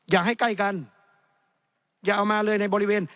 อย่าให้ใกล้กันอย่าเอามาเลยในบริเวณ